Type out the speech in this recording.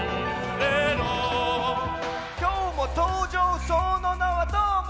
「今日も登場その名はどーも」